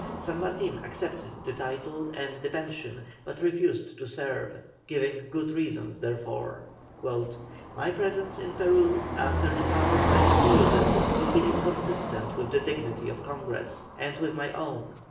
San Martin accepted the title and the pension, but refused to serve, giving good reasons therefor: "My presence in Peru after the powers I have wielded would be inconsistent with the dignity of Congress, and with my own.